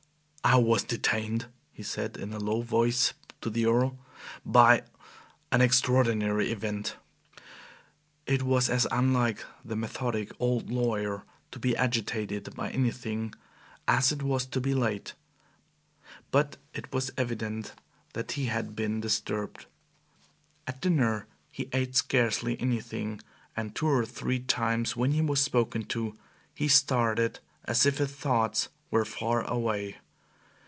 "I was detained," he said, in a low voice to the Earl, "by an extraordinary event." It was as unlike the methodic old lawyer to be agitated by anything as it was to be late, but it was evident that he had been disturbed. At dinner he ate scarcely anything, and two or three times, when he was spoken to, he started as if his thoughts were far away.